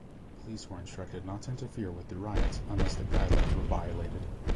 Police were instructed not to interfere with the riots unless the guidelines were violated.